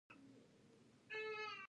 بدخشان د افغانستان د طبیعت د ښکلا برخه ده.